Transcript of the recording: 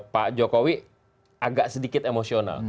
pak jokowi agak sedikit emosional